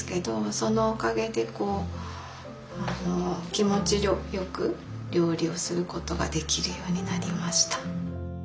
そのおかげでこう気持ちよく料理をすることができるようになりました。